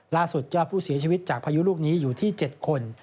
ล่าสุดยอดผู้เสียชีวิตจากพายุลูกนี้อยู่ที่๗คน